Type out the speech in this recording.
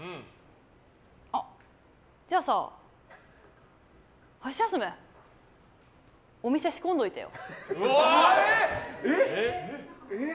あ、じゃあさ、ハシヤスメお店仕込んどいてよ。